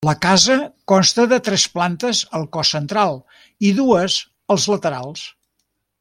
La casa consta de tres plantes al cos central i dues als laterals.